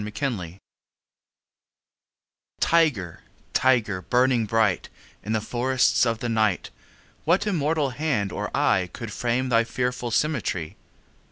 The Tiger TIGER, tiger, burning bright In the forests of the night, What immortal hand or eye Could frame thy fearful symmetry?